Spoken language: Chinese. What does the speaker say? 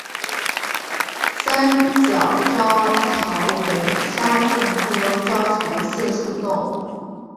三角招潮为沙蟹科招潮蟹属的动物。